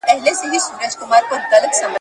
که له مرګه ځان ژغورې کوهي ته راسه ,